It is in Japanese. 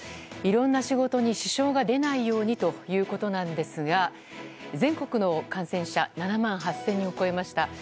いろんな仕事に支障が出ないようにということなんですが全国の感染者７万８０００人を超えました。